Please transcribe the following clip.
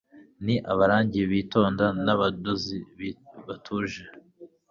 Ni abarangi bitonda n'abadozi batuje